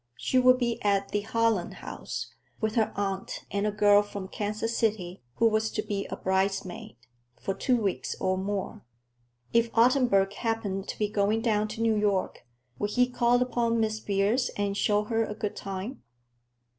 She would be at the Holland House, with her aunt and a girl from Kansas City who was to be a bridesmaid, for two weeks or more. If Ottenburg happened to be going down to New York, would he call upon Miss Beers and "show her a good time"?